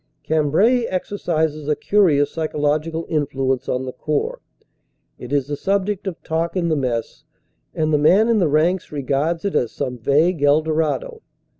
Cambrai exercises a curious psychological influence on the Corps. It is the subject of talk in the mess, and the man in the ranks regards it as some vague El Dorado.